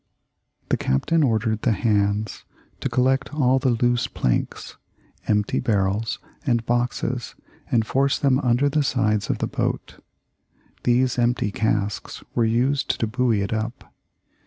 The captain ordered the hands to collect all the loose planks, empty barrels and boxes and force them under the sides of the boat. These empty casks were used to buoy it up.